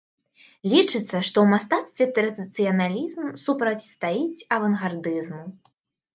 Лічыцца, што ў мастацтве традыцыяналізм супрацьстаіць авангардызму.